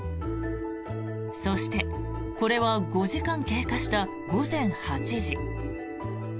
そして、これは５時間経過した午前８時。